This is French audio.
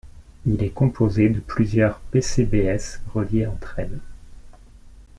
Il est composé de plusieurs pcbs reliées entre elles.